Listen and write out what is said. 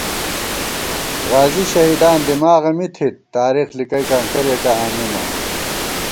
غازی شہیدان دِماغہ می تھِت ، تارېخ لِکَئیکاں کریَکہ آنېمہ آں